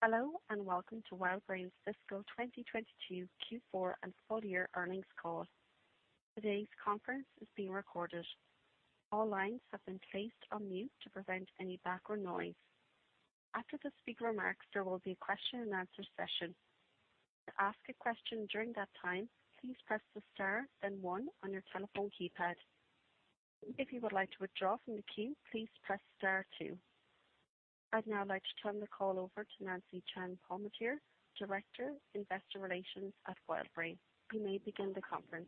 Hello, and welcome to WildBrain's fiscal 2022 Q4 and full year earnings call. Today's conference is being recorded. All lines have been placed on mute to prevent any background noise. After the speakers' remarks, there will be a question and answer session. To ask a question during that time, please press the star then one on your telephone keypad. If you would like to withdraw from the queue, please press star two. I'd now like to turn the call over to Nancy Chan-Palmateer, Director, Investor Relations at WildBrain. You may begin the conference.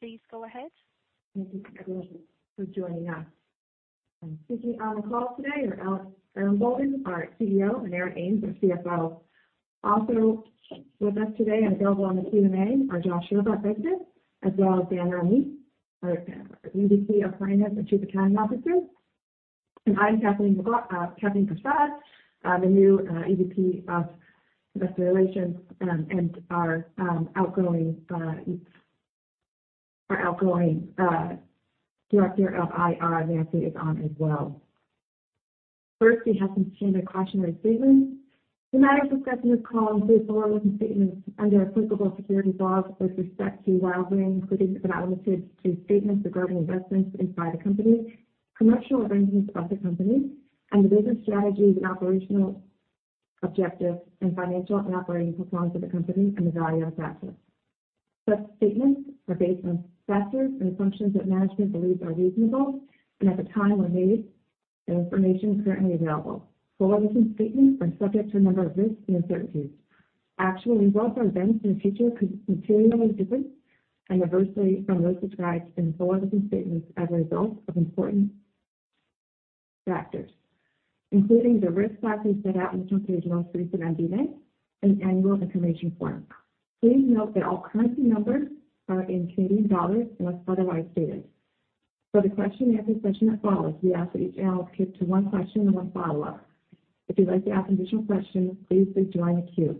Please go ahead. Thank you everyone for joining us. Speaking on the call today are Eric Ellenbogen, our CEO, and Aaron Ames, our CFO. Also with us today and available on the Q&A are Josh Scherba, President, as well as Danielle Neath, our EVP of Finance and Chief Accounting Officer. I'm Kathleen Persaud, the new EVP of Investor Relations and our outgoing director of IR. Nancy is on as well. First, we have some standard cautionary statements. The matter of discussion of this call includes forward-looking statements under applicable securities laws with respect to WildBrain, including but not limited to statements regarding investments inside the company, commercial arrangements of the company, and the business strategies and operational objectives and financial and operating performance of the company and the value of assets. Such statements are based on factors and assumptions that management believes are reasonable and at the time were made and information is currently available. Forward-looking statements are subject to a number of risks and uncertainties. Actual results or events in the future could materially differ adversely from those described in forward-looking statements as a result of important factors, including the risk factors set out in the company's most recent MD&A and annual information form. Please note that all currency numbers are in Canadian dollars unless otherwise stated. For the question and answer session that follows, we ask that each analyst keep to one question and one follow-up. If you'd like to ask additional questions, please rejoin the queue.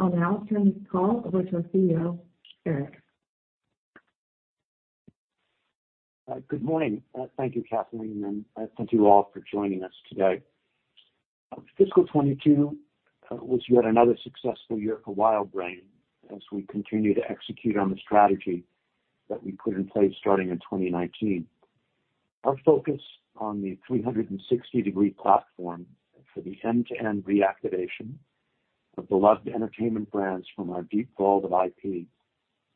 I'll now turn this call over to our CEO, Eric Ellenbogen. Good morning. Thank you, Kathleen, and thank you all for joining us today. Fiscal 2022 was yet another successful year for WildBrain as we continue to execute on the strategy that we put in place starting in 2019. Our focus on the 360-degree platform for the end-to-end reactivation of beloved entertainment brands from our deep vault of IP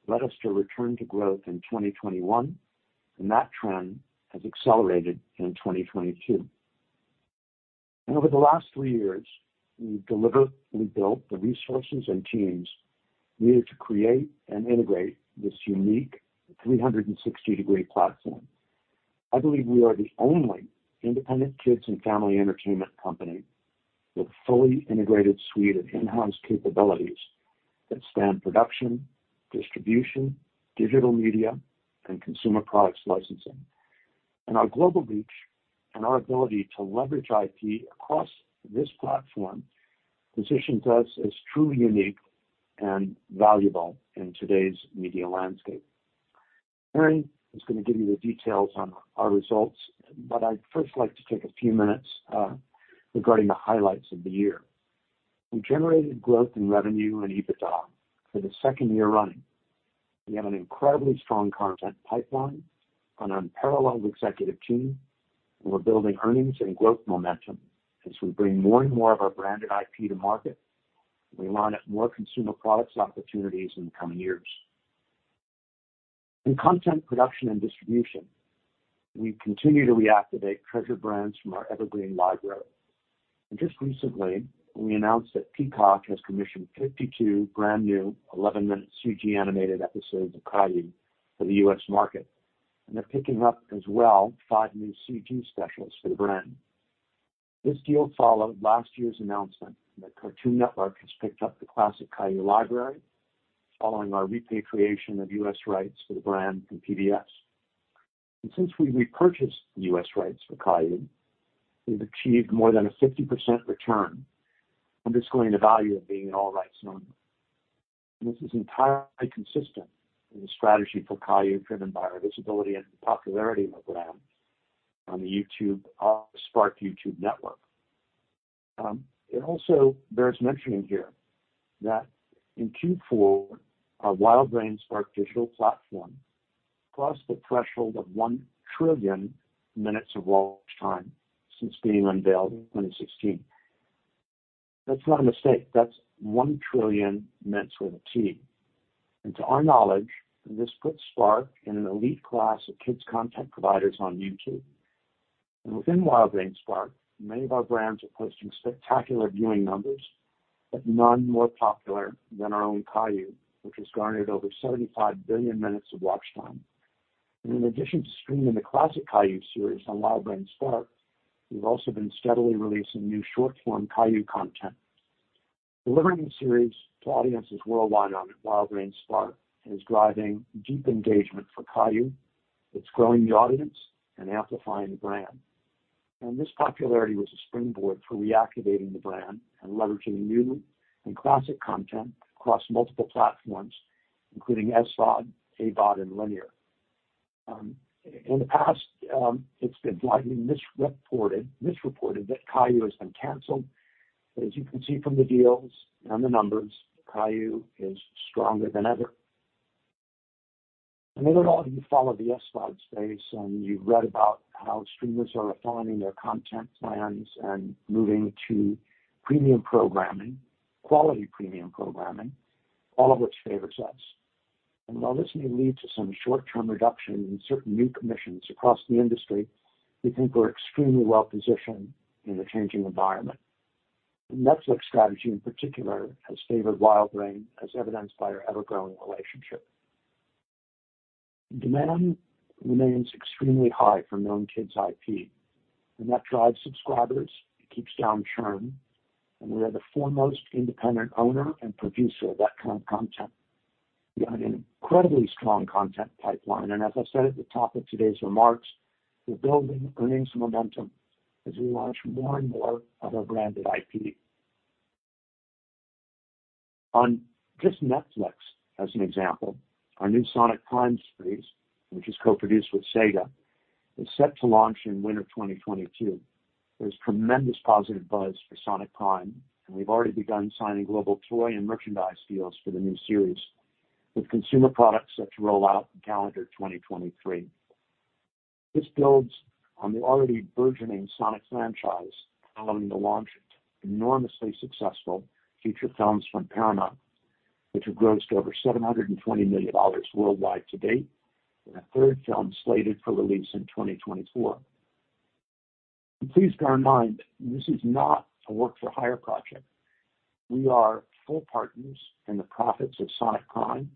led us to return to growth in 2021, and that trend has accelerated in 2022. Over the last three years, we've delivered and built the resources and teams needed to create and integrate this unique 360-degree platform. I believe we are the only independent kids and family entertainment company with fully integrated suite of in-house capabilities that span production, distribution, digital media, and consumer products licensing. Our global reach and our ability to leverage IP across this platform positions us as truly unique and valuable in today's media landscape. Aaron is gonna give you the details on our results, but I'd first like to take a few minutes regarding the highlights of the year. We generated growth in revenue and EBITDA for the second year running. We have an incredibly strong content pipeline, an unparalleled executive team, and we're building earnings and growth momentum as we bring more and more of our branded IP to market. We line up more consumer products opportunities in the coming years. In content production and distribution, we continue to reactivate treasured brands from our evergreen library. Just recently, we announced that Peacock has commissioned 52 brand-new 11-minute CG animated episodes of Caillou for the U.S. market. They're picking up as well 5 new CG specials for the brand. This deal followed last year's announcement that Cartoon Network has picked up the classic Caillou library following our repatriation of U.S. rights for the brand from PBS. Since we repurchased the U.S. rights for Caillou, we've achieved more than a 50% return, underscoring the value of being an all-rights owner. This is entirely consistent in the strategy for Caillou driven by our visibility and popularity of the brand on the YouTube Spark YouTube network. It also bears mentioning here that in Q4, our WildBrain Spark digital platform crossed the threshold of 1 trillion minutes of watch time since being unveiled in 2016. That's not a mistake. That's 1 trillion minutes with a T. To our knowledge, this puts Spark in an elite class of kids' content providers on YouTube. Within WildBrain Spark, many of our brands are posting spectacular viewing numbers, but none more popular than our own Caillou, which has garnered over 75 billion minutes of watch time. In addition to streaming the classic Caillou series on WildBrain Spark, we've also been steadily releasing new short-form Caillou content. Delivering the series to audiences worldwide on WildBrain Spark is driving deep engagement for Caillou. It's growing the audience and amplifying the brand. This popularity was a springboard for reactivating the brand and leveraging new and classic content across multiple platforms, including SVOD, AVOD, and linear. In the past, it's been widely misreported that Caillou has been canceled. But as you can see from the deals and the numbers, Caillou is stronger than ever. I know you follow the SVOD space, and you've read about how streamers are refining their content plans and moving to premium programming, quality premium programming, all of which favors us. While this may lead to some short-term reduction in certain new commissions across the industry, we think we're extremely well-positioned in the changing environment. Netflix strategy, in particular, has favored WildBrain, as evidenced by our ever-growing relationship. Demand remains extremely high for known kids' IP, and that drives subscribers. It keeps down churn. We are the foremost independent owner and producer of that kind of content. We have an incredibly strong content pipeline, and as I said at the top of today's remarks, we're building earnings and momentum as we launch more and more of our branded IP. On just Netflix as an example, our new Sonic Prime series, which is co-produced with SEGA, is set to launch in winter 2022. There's tremendous positive buzz for Sonic Prime, and we've already begun signing global toy and merchandise deals for the new series, with consumer products set to roll out in calendar 2023. This builds on the already burgeoning Sonic franchise following the launch of enormously successful feature films from Paramount, which have grossed over $720 million worldwide to date, with a third film slated for release in 2024. Please bear in mind, this is not a work-for-hire project. We are full partners in the profits of Sonic Prime,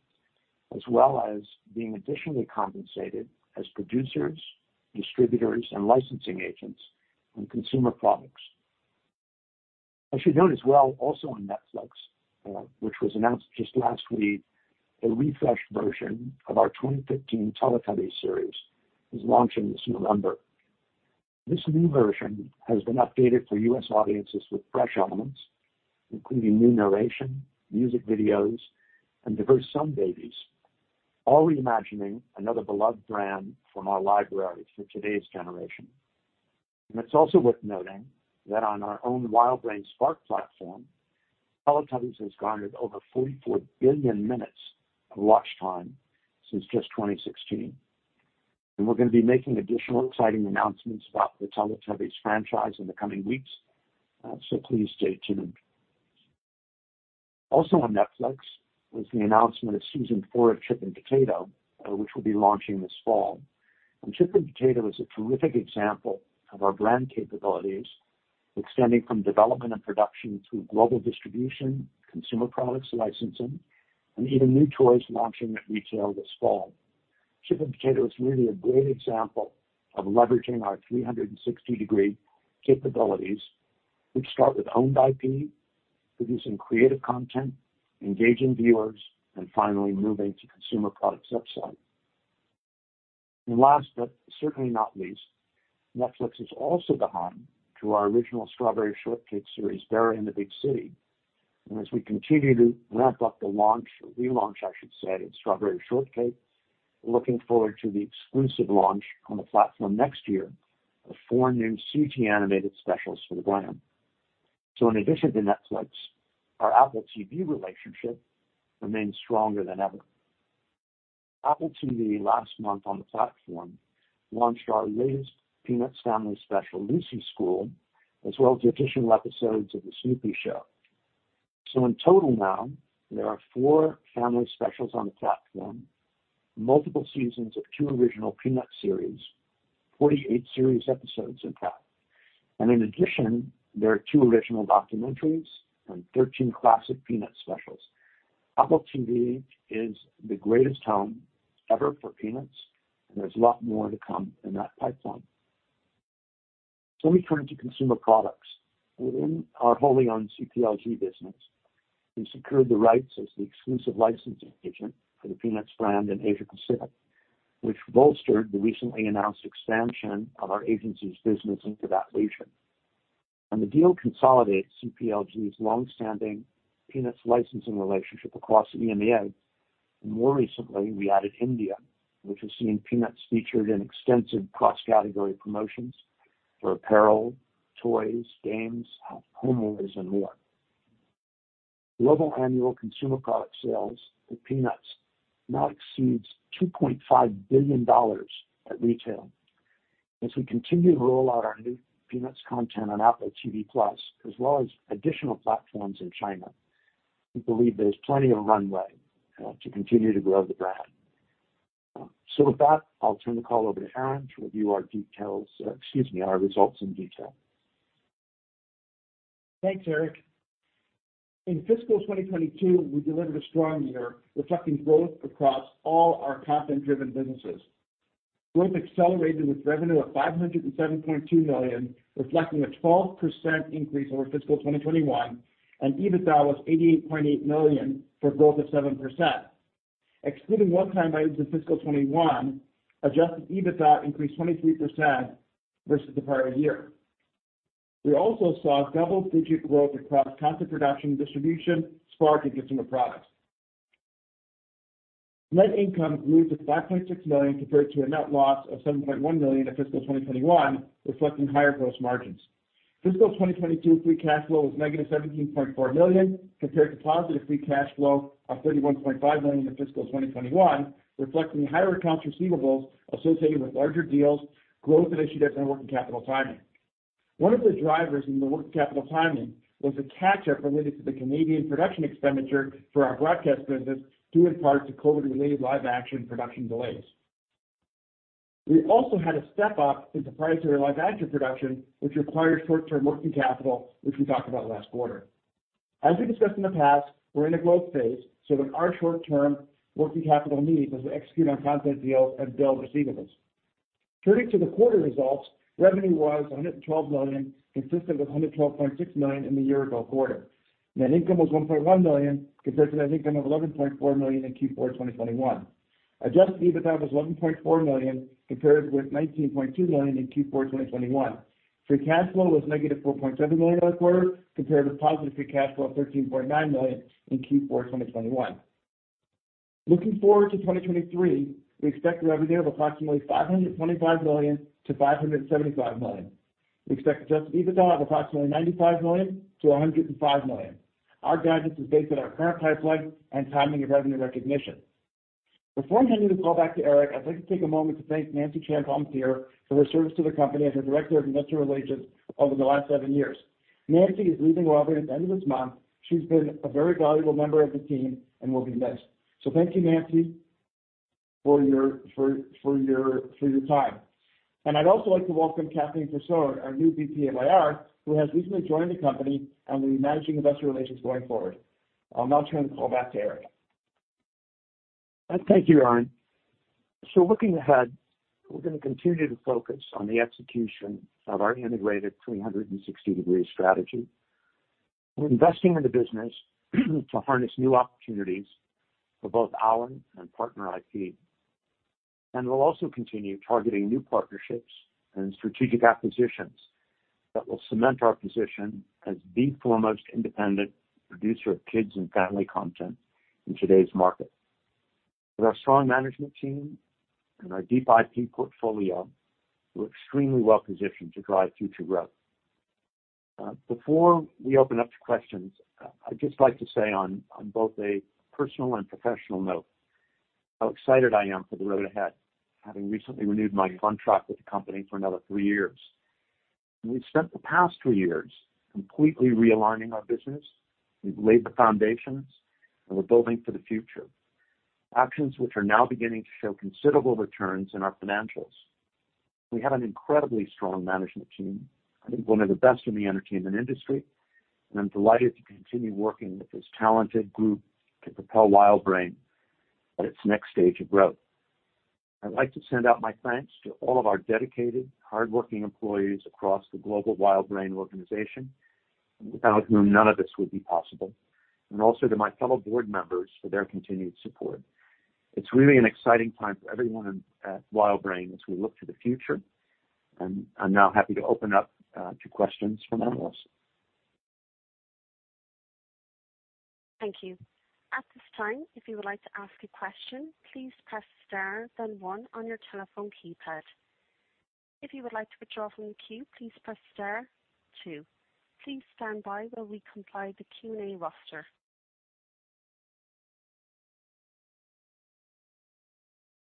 as well as being additionally compensated as producers, distributors, and licensing agents on consumer products. I should note as well, also on Netflix, which was announced just last week, a refreshed version of our 2015 Teletubbies series is launching this November. This new version has been updated for U.S. audiences with fresh elements, including new narration, music videos, and diverse Sun Babies, all reimagining another beloved brand from our library for today's generation. It's also worth noting that on our own WildBrain Spark platform, Teletubbies has garnered over 44 billion minutes of watch time since just 2016. We're gonna be making additional exciting announcements about the Teletubbies franchise in the coming weeks, so please stay tuned. Also on Netflix was the announcement of season 4 of Chip and Potato, which will be launching this fall. Chip and Potato is a terrific example of our brand capabilities extending from development and production through global distribution, consumer products licensing, and even new toys launching at retail this fall. Chip and Potato is really a great example of leveraging our 360-degree capabilities, which start with owned IP, producing creative content, engaging viewers, and finally moving to consumer products upside. Last but certainly not least, Netflix is also the home to our original Strawberry Shortcake series, Berry in the Big City. As we continue to ramp up the launch or relaunch, I should say, of Strawberry Shortcake, we're looking forward to the exclusive launch on the platform next year of 4 new CG animated specials for the brand. In addition to Netflix, our Apple TV relationship remains stronger than ever. Apple TV+ last month on the platform launched our latest Peanuts family special, Lucy's School, as well as the additional episodes of The Snoopy Show. In total now, there are four family specials on the platform, multiple seasons of two original Peanuts series, 48 series episodes of that. In addition, there are two original documentaries and 13 classic Peanuts specials. Apple TV+ is the greatest home ever for Peanuts, and there's a lot more to come in that pipeline. We turn to consumer products. Within our wholly owned CPLG business, we secured the rights as the exclusive licensing agent for the Peanuts brand in Asia Pacific, which bolstered the recently announced expansion of our agency's business into that region. The deal consolidates CPLG's longstanding Peanuts licensing relationship across EMEA. More recently, we added India, which has seen Peanuts featured in extensive cross-category promotions for apparel, toys, games, homewares, and more. Global annual consumer product sales for Peanuts now exceeds $2.5 billion at retail. As we continue to roll out our new Peanuts content on Apple TV+ as well as additional platforms in China, we believe there's plenty of runway to continue to grow the brand. With that, I'll turn the call over to Aaron to review our details, excuse me, our results in detail. Thanks, Eric. In fiscal 2022, we delivered a strong year, reflecting growth across all our content-driven businesses. Growth accelerated with revenue of 507.2 million, reflecting a 12% increase over fiscal 2021, and EBITDA was 88.8 million for growth of 7%. Excluding one-time items in fiscal 2021, Adjusted EBITDA increased 23% versus the prior year. We also saw double-digit growth across content production and distribution, Spark and consumer products. Net income grew to 5.6 million compared to a net loss of 7.1 million in fiscal 2021, reflecting higher gross margins. Fiscal 2022 free cash flow was negative 17.4 million compared to positive free cash flow of 31.5 million in fiscal 2021, reflecting higher accounts receivables associated with larger deals, growth initiatives and working capital timing. One of the drivers in the working capital timing was a catch-up related to the Canadian production expenditure for our broadcast business, due in part to COVID-related live-action production delays. We also had a step-up in the price of our live-action production, which requires short-term working capital, which we talked about last quarter. As we discussed in the past, we're in a growth phase, so in our short term, working capital needs us to execute on content deals and build receivables. Turning to the quarter results, revenue was 112 million, consistent with 112.6 million in the year-ago quarter. Net income was 1.1 million compared to net income of 11.4 million in Q4 2021. Adjusted EBITDA was 11.4 million compared with 19.2 million in Q4 2021. Free cash flow was -4.7 million last quarter compared with positive free cash flow of 13.9 million in Q4 2021. Looking forward to 2023, we expect revenue of approximately 525 million-575 million. We expect Adjusted EBITDA of approximately 95 million-105 million. Our guidance is based on our current pipeline and timing of revenue recognition. Before handing the call back to Eric, I'd like to take a moment to thank Nancy Chan-Palmateer for her service to the company as a director of investor relations over the last seven years. Nancy is leaving WildBrain at the end of this month. She's been a very valuable member of the team and will be missed. Thank you, Nancy, for your time. I'd also like to welcome Kathleen Persaud, our new VP of IR, who has recently joined the company and will be managing investor relations going forward. I'll now turn the call back to Eric. Thank you, Aaron. Looking ahead, we're gonna continue to focus on the execution of our integrated 360 degrees strategy. We're investing in the business to harness new opportunities for both our and partner IP. We'll also continue targeting new partnerships and strategic acquisitions that will cement our position as the foremost independent producer of kids and family content in today's market. With our strong management team and our deep IP portfolio, we're extremely well-positioned to drive future growth. Before we open up to questions, I'd just like to say on both a personal and professional note, how excited I am for the road ahead, having recently renewed my contract with the company for another three years. We've spent the past three years completely realigning our business. We've laid the foundations, and we're building for the future. Actions which are now beginning to show considerable returns in our financials. We have an incredibly strong management team, I think one of the best in the entertainment industry, and I'm delighted to continue working with this talented group to propel WildBrain to its next stage of growth. I'd like to send out my thanks to all of our dedicated, hardworking employees across the global WildBrain organization, without whom none of this would be possible, and also to my fellow board members for their continued support. It's really an exciting time for everyone at WildBrain as we look to the future, and I'm now happy to open up to questions from analysts. Thank you. At this time, if you would like to ask a question, please press star then one on your telephone keypad. If you would like to withdraw from the queue, please press star two. Please stand by while we compile the Q&A roster.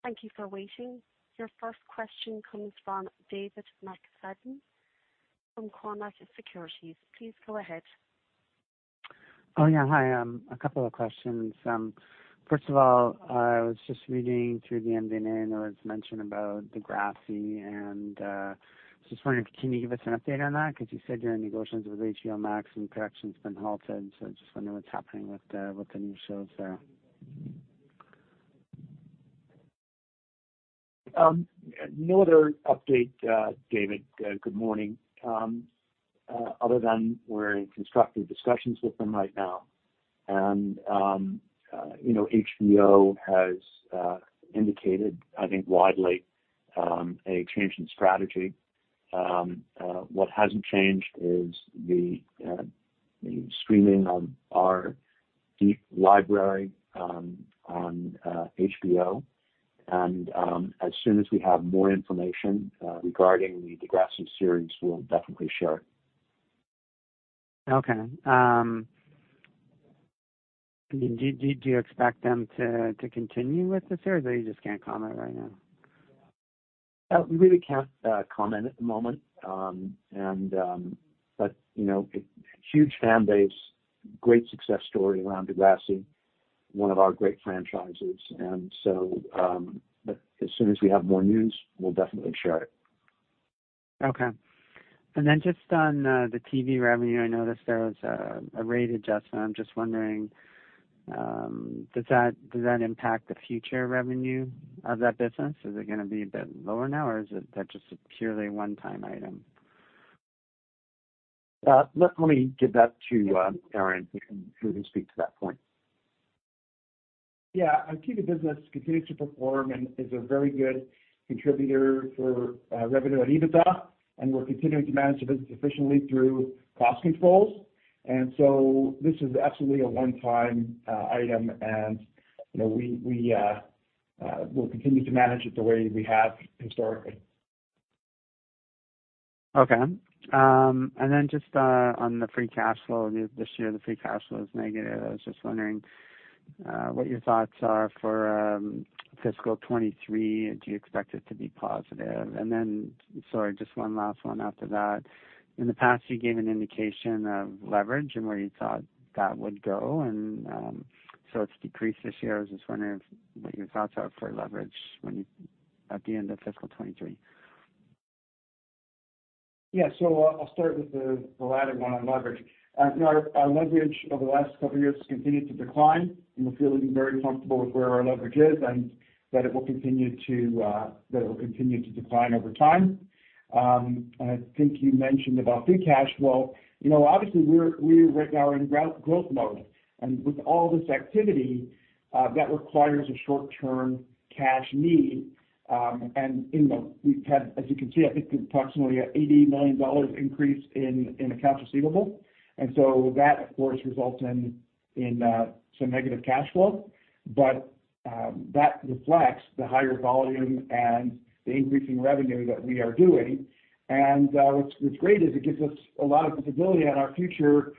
Thank you for waiting. Your first question comes from David McFadgen from Cormark Securities. Please go ahead. Oh, yeah. Hi. A couple of questions. First of all, I was just reading through the MD&A, and it was mentioned about Degrassi, and just wondering, can you give us an update on that? Because you said you're in negotiations with HBO Max, and production's been halted. Just wondering what's happening with the new shows there. No other update, David. Good morning, other than we're in constructive discussions with them right now. You know, HBO has indicated, I think, widely, a change in strategy. What hasn't changed is the streaming of our deep library on HBO. As soon as we have more information regarding the Degrassi series, we'll definitely share it. Okay. Do you expect them to continue with the series, or you just can't comment right now? We really can't comment at the moment. You know, huge fan base, great success story around Degrassi, one of our great franchises. As soon as we have more news, we'll definitely share it. Okay. Just on the TV revenue, I noticed there was a rate adjustment. I'm just wondering, does that impact the future revenue of that business? Is it gonna be a bit lower now or is that just a purely one-time item? Let me give that to Aaron. He can speak to that point. Yeah. Our TV business continues to perform and is a very good contributor for revenue and EBITDA, and we're continuing to manage the business efficiently through cost controls. This is absolutely a one-time item and, you know, we'll continue to manage it the way we have historically. Okay. Then just on the free cash flow. This year the free cash flow is negative. I was just wondering what your thoughts are for fiscal 2023. Do you expect it to be positive? Then, sorry, just one last one after that. In the past, you gave an indication of leverage and where you thought that would go and it's decreased this year. I was just wondering what your thoughts are for leverage at the end of fiscal 2023. I'll start with the latter one on leverage. You know, our leverage over the last couple of years has continued to decline, and we feel we'll be very comfortable with where our leverage is and that it will continue to decline over time. I think you mentioned about free cash flow. You know, obviously we're right now in growth mode. With all this activity that requires a short-term cash need. You know, we've had, as you can see, I think approximately 80 million dollars increase in accounts receivable. That of course results in some negative cash flow. That reflects the higher volume and the increasing revenue that we are doing. What's great is it gives us a lot of visibility on our future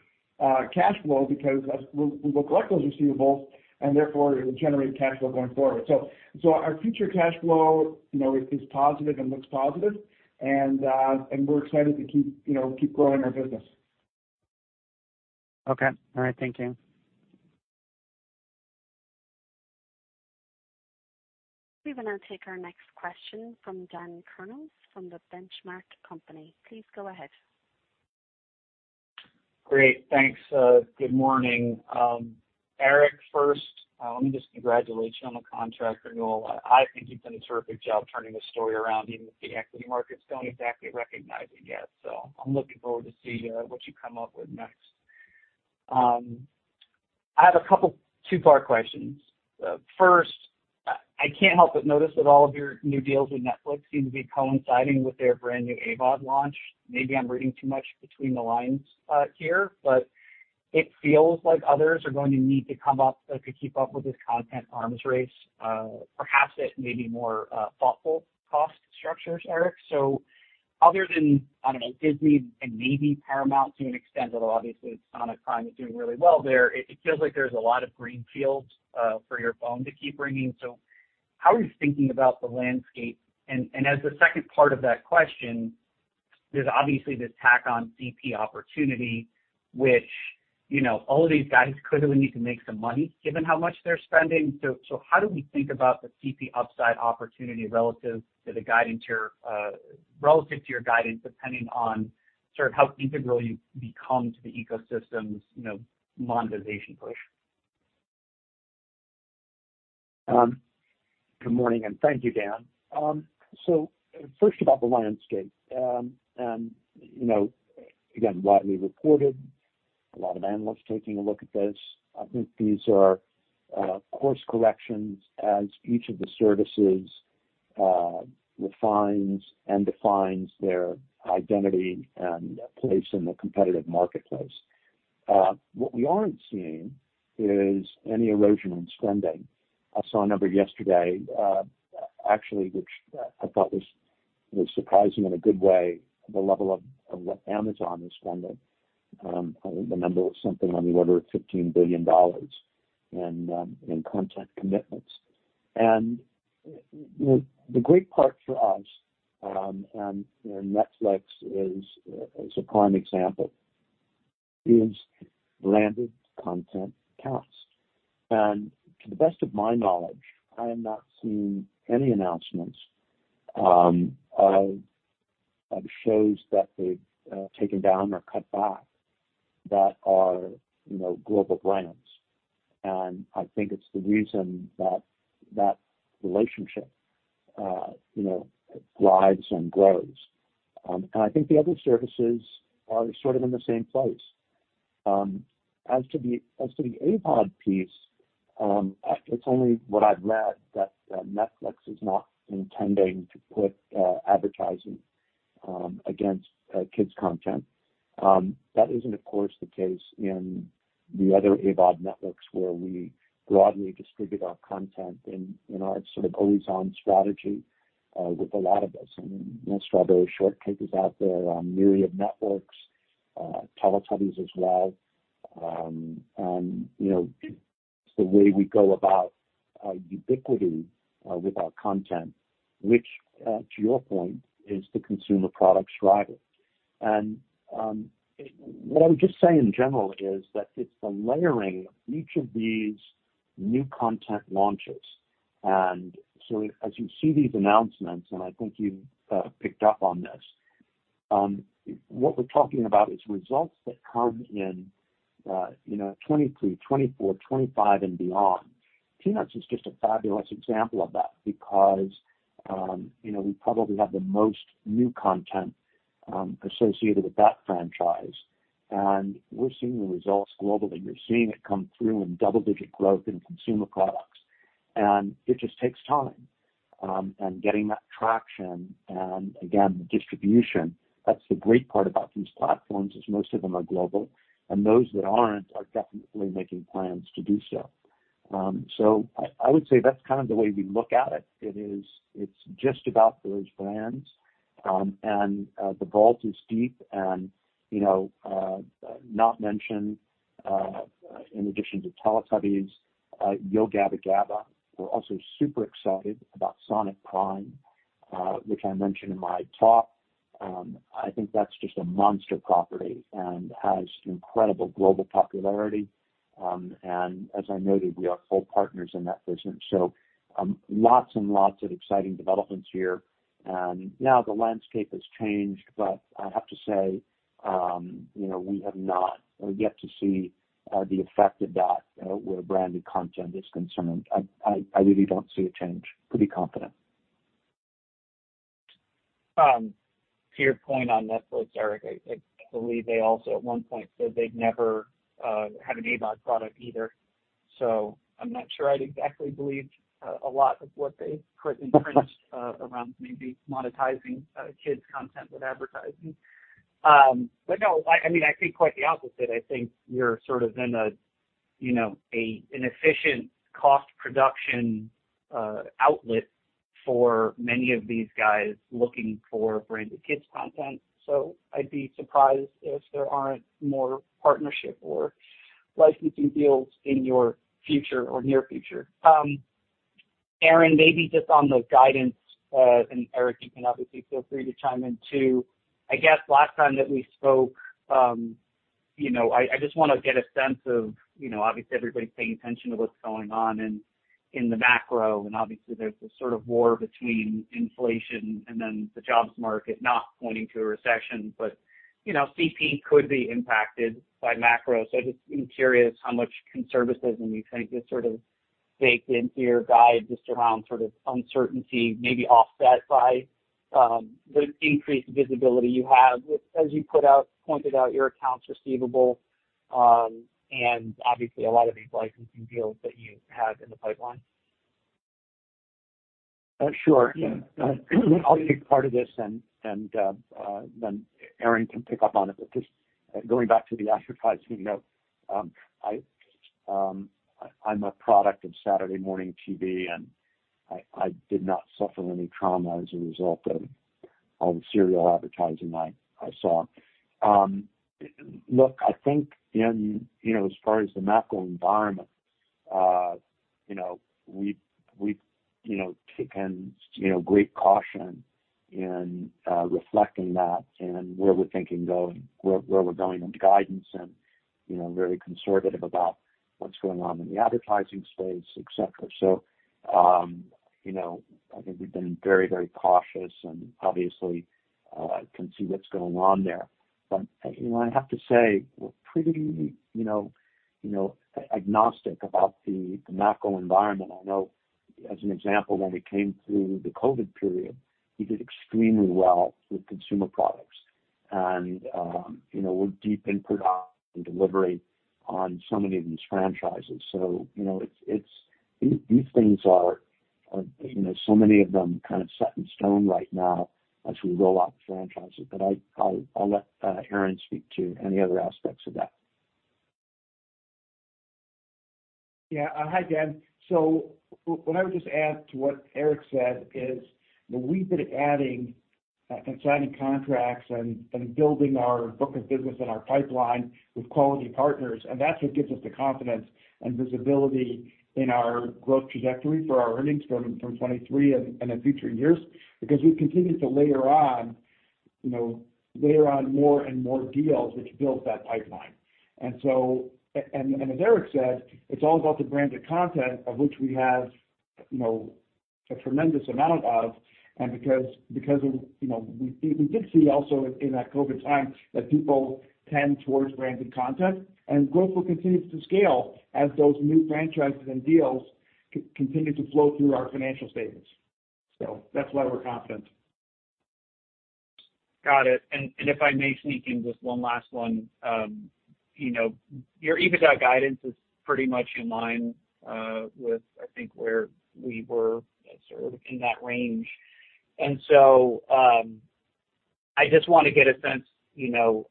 cash flow because we will collect those receivables and therefore it will generate cash flow going forward. Our future cash flow, you know, is positive and looks positive and we're excited to keep, you know, keep growing our business. Okay. All right. Thank you. We will now take our next question from Dan Kurnos from The Benchmark Company. Please go ahead. Great. Thanks. Good morning. Eric, first, let me just congratulate you on the contract renewal. I think you've done a terrific job turning the story around, even if the equity markets don't exactly recognize it yet. I'm looking forward to see what you come up with next. I have a couple two-part questions. First, I can't help but notice that all of your new deals with Netflix seem to be coinciding with their brand new AVOD launch. Maybe I'm reading too much between the lines here, but it feels like others are going to need to come up to keep up with this content arms race, perhaps at maybe more thoughtful cost structures, Eric. Other than, I don't know, Disney and maybe Paramount to an extent, although obviously Sonic Prime is doing really well there, it feels like there's a lot of green fields for your phone to keep ringing. How are you thinking about the landscape? As the second part of that question, there's obviously this tack on CP opportunity which, you know, all of these guys clearly need to make some money given how much they're spending. How do we think about the CP upside opportunity relative to your guidance depending on sort of how integral you become to the ecosystem's, you know, monetization push? Good morning, and thank you, Dan. First about the landscape. You know, again, widely reported, a lot of analysts taking a look at this. I think these are course corrections as each of the services refines and defines their identity and place in the competitive marketplace. What we aren't seeing is any erosion in spending. I saw a number yesterday, actually, which I thought was surprising in a good way, the level of what Amazon is spending. The number was something on the order of $15 billion in content commitments. The great part for us, and, you know, Netflix is a prime example, is landed content counts. To the best of my knowledge, I have not seen any announcements of shows that they've taken down or cut back that are, you know, global brands. I think it's the reason that relationship, you know, thrives and grows. I think the other services are sort of in the same place. As to the AVOD piece, it's only what I've read that Netflix is not intending to put advertising against kids' content. That isn't of course the case in the other AVOD networks where we broadly distribute our content in our sort of always-on strategy with a lot of this. I mean, Strawberry Shortcake is out there on myriad networks, Teletubbies as well. You know, the way we go about ubiquity with our content, which to your point is the consumer products driving. What I would just say in general is that it's the layering of each of these new content launches. As you see these announcements, and I think you've picked up on this, what we're talking about is results that come in, you know, 2022, 2024, 2025 and beyond. Peanuts is just a fabulous example of that because you know, we probably have the most new content associated with that franchise, and we're seeing the results globally. We're seeing it come through in double-digit growth in consumer products. It just takes time, and getting that traction and again, distribution. That's the great part about these platforms is most of them are global, and those that aren't are definitely making plans to do so. I would say that's kind of the way we look at it. It's just about those brands. The vault is deep. You know, not mentioned, in addition to Teletubbies, Yo Gabba Gabba! We're also super excited about Sonic Prime, which I mentioned in my talk. I think that's just a monster property and has incredible global popularity. And as I noted, we are full partners in that business, so lots and lots of exciting developments here. Now the landscape has changed. I have to say, you know, we have not. We have yet to see the effect of that, where branded content is concerned. I really don't see a change. Pretty confident. To your point on Netflix, Eric, I believe they also at one point said they'd never had an AVOD product either, so I'm not sure I'd exactly believe a lot of what they print in print around maybe monetizing kids content with advertising. But no, I mean, I think quite the opposite. I think you're sort of in a, you know, an efficient cost production outlet for many of these guys looking for branded kids content. So I'd be surprised if there aren't more partnership or licensing deals in your future or near future. Aaron, maybe just on the guidance, and Eric, you can obviously feel free to chime in too. I guess last time that we spoke, you know, I just wanna get a sense of, you know, obviously everybody's paying attention to what's going on in the macro, and obviously there's this sort of war between inflation and then the jobs market, not pointing to a recession. You know, CP could be impacted by macro. Just curious how much conservatism you think is sort of baked into your guide just around sort of uncertainty, maybe offset by the increased visibility you have as you pointed out your accounts receivable, and obviously a lot of these licensing deals that you have in the pipeline. Sure. Yeah. I'll take part of this and then Aaron can pick up on it. Just going back to the advertising note, I'm a product of Saturday morning TV, and I did not suffer any trauma as a result of all the cereal advertising I saw. Look, I think in you know, as far as the macro environment, you know, we've taken you know, great caution in reflecting that and where we're going in the guidance and you know, very conservative about what's going on in the advertising space, et cetera. You know, I think we've been very cautious and obviously can see what's going on there. You know, I have to say we're pretty you know agnostic about the macro environment. I know as an example, when we came through the COVID period, we did extremely well with consumer products. You know, we're deep in production and delivery on so many of these franchises. These things are you know so many of them kind of set in stone right now as we roll out the franchises. I'll let Aaron speak to any other aspects of that. Yeah. Hi, Dan. What I would just add to what Eric said is that we've been adding and signing contracts and building our book of business and our pipeline with quality partners, and that's what gives us the confidence and visibility in our growth trajectory for our earnings from 2023 and in future years, because we've continued to layer on, you know, layer on more and more deals which build that pipeline. As Eric said, it's all about the branded content, of which we have, you know, a tremendous amount of, and because of, you know. We did see also in that COVID time that people tend towards branded content. Growth will continue to scale as those new franchises and deals continue to flow through our financial statements. That's why we're confident. Got it. If I may sneak in just one last one, you know, your EBITDA guidance is pretty much in line with, I think, where we were sort of in that range. I just want to get a sense, you know,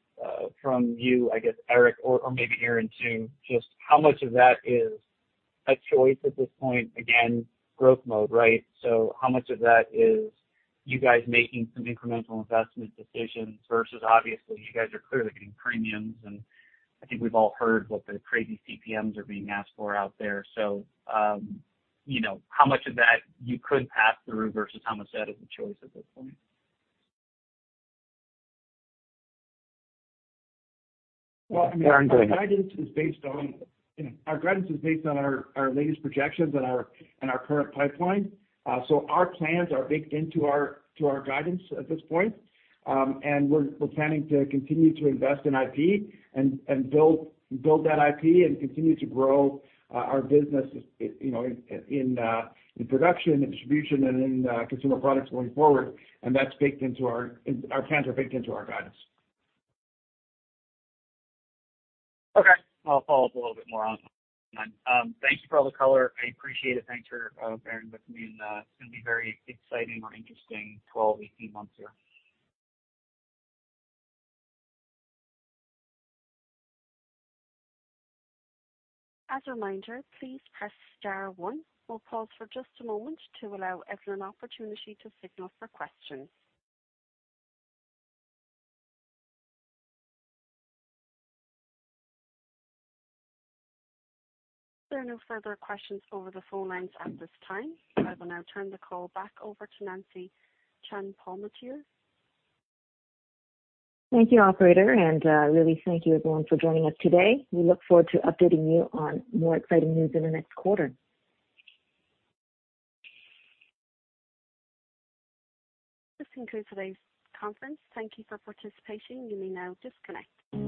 from you, I guess, Eric, or maybe Aaron too, just how much of that is a choice at this point? Again, growth mode, right? How much of that is you guys making some incremental investment decisions versus obviously you guys are clearly getting premiums, and I think we've all heard what the crazy CPMs are being asked for out there. You know, how much of that you could pass through versus how much that is a choice at this point? Well, I mean. Aaron, go ahead. Our guidance is based on our latest projections and our current pipeline. Our plans are baked into our guidance at this point. We're planning to continue to invest in IP and build that IP and continue to grow our business in production and distribution and in consumer products going forward. That's baked into our guidance. Our plans are baked into our guidance. Okay. I'll follow up a little bit more on. Thank you for all the color. I appreciate it. Thanks for bearing with me. It's gonna be very exciting or interesting 12, 18 months here. As a reminder, please press star one. We'll pause for just a moment to allow everyone an opportunity to signal for questions. There are no further questions over the phone lines at this time. I will now turn the call back over to Nancy Chan-Palmateer. Thank you, operator. Really thank you everyone for joining us today. We look forward to updating you on more exciting news in the next quarter. This concludes today's conference. Thank you for participating. You may now disconnect.